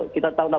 kita tahu lah